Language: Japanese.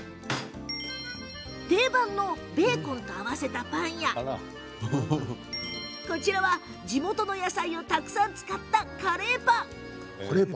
定番のベーコンと合わせたパンや地元の野菜をたくさん使ったカレーパン。